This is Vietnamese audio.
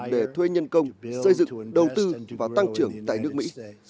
để thuê nhân công xây dựng đầu tư và tăng trưởng tại nước mỹ